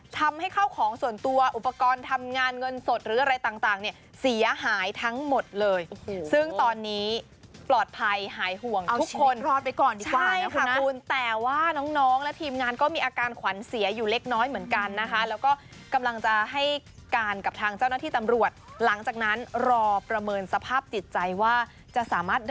ทำให้เข้าของส่วนตัวอุปกรณ์ทำงานเงินสดหรืออะไรต่างเนี่ยเสียหายทั้งหมดเลยซึ่งตอนนี้ปลอดภัยหายห่วงทุกคนรอดไปก่อนดีกว่านะคะคุณแต่ว่าน้องและทีมงานก็มีอาการขวัญเสียอยู่เล็กน้อยเหมือนกันนะคะแล้วก็กำลังจะให้การกับทางเจ้าหน้าที่ตำรวจหลังจากนั้นรอประเมินสภาพจิตใจว่าจะสามารถด